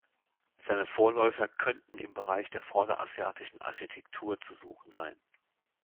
Seine Vorläufer könnten im Bereich der vorderasiatischen Architektur zu suchen sein.